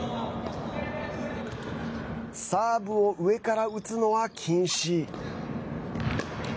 サーブを上から打つのは禁止。